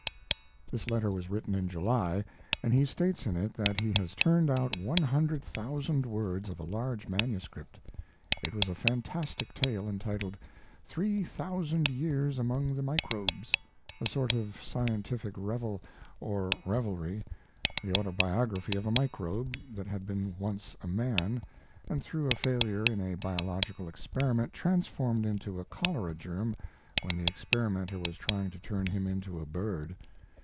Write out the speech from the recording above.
This letter was written in July, and he states in it that he has turned out one hundred thousand words of a large manuscript.. It was a fantastic tale entitled "3,000 Years among the Microbes," a sort of scientific revel or revelry the autobiography of a microbe that had been once a man, and through a failure in a biological experiment transformed into a cholera germ when the experimenter was trying to turn him into a bird.